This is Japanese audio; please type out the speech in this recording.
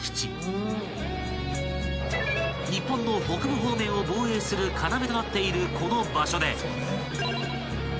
［日本の北部方面を防衛する要となっているこの場所で］